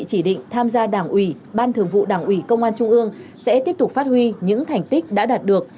chỉ định tham gia đảng ủy ban thường vụ đảng ủy công an trung ương sẽ tiếp tục phát huy những thành tích đã đạt được